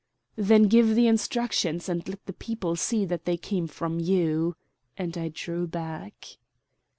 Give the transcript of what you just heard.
"Then give the instructions, and let the people see that they come from you," and I drew back.